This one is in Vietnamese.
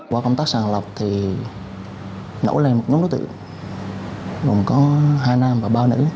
qua công tác sàng lọc thì nổ lên một nhóm đối tượng gồm có hai nam và ba nữ